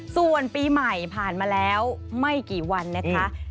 ส่วนปีใหม่ผ่านมาแล้วไม่กี่วันนะคะ